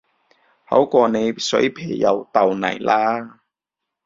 好過你水皮又豆泥啦